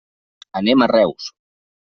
Anem a Reus.